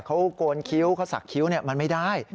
เขาโกนคิ้วเขาสักคิ้วมันไม่ได้